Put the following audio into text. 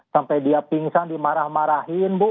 sampai dia pingsan dimarah marahin bu